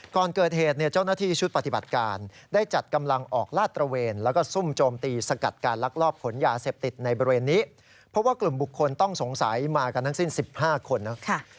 เพราะว่ากลุ่มบุคคลต้องสงสัยมากันทั้งสิ้น๑๕คนนะครับ